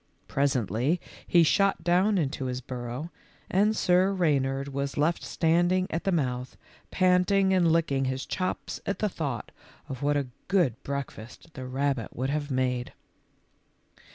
Presently he shot down into his burrow, and Sir Reynard was left standing at the mouth, panting and licking his chops at the thought of what a good breakfast the rabbit would have made.